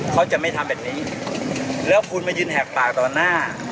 เขาจะไม่ทำแบบนี้แล้วคุณมายืนแหกปากต่อหน้า